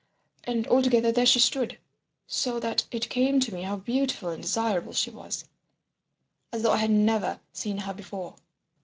And altogether there she stood, so that it came to me how beautiful and desirable she was, as though I had never seen her before.